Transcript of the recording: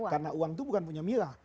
karena uang itu bukan punya mila